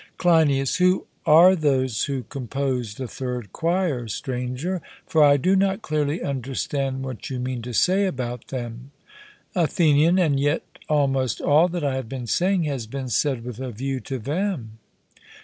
CLEINIAS: Who are those who compose the third choir, Stranger? for I do not clearly understand what you mean to say about them. ATHENIAN: And yet almost all that I have been saying has been said with a view to them.